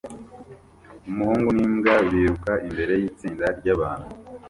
Umuhungu n'imbwa biruka imbere yitsinda ryabantu